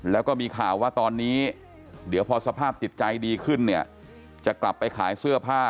แล้วก็มีข่าวว่าตอนนี้เดี๋ยวพอสภาพจิตใจดีขึ้นเนี่ยจะกลับไปขายเสื้อผ้า